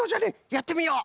やってみよう！